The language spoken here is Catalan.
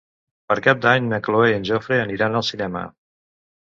Per Cap d'Any na Cloè i en Jofre aniran al cinema.